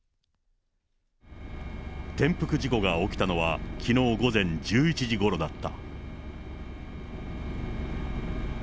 転覆事故が起きたのはきのう午前１１時ごろだった。